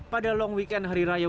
pada long weekend hari raya